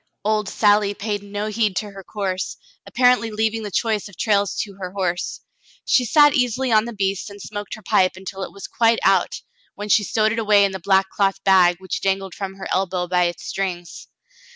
Old Sally paid no heed to her course, apparently leav ing the choice of trails to her horse. She sat easily on the beast and smoked her pipe until it was quite out, when she stowed it away in the black cloth bag, which dangled from her elbow by its strings.